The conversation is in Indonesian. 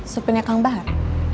supinya kang bahar